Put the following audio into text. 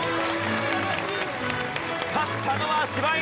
勝ったのは柴犬。